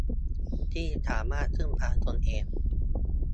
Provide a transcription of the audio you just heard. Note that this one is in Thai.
ที่สามารถพึ่งพาตนเอง